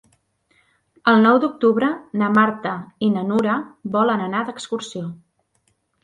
El nou d'octubre na Marta i na Nura volen anar d'excursió.